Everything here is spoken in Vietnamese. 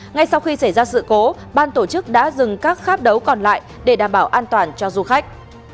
ngay sau khi xảy ra sự cố ban tổ chức đã dừng các kháp đấu còn lại để đảm bảo an toàn cho du khách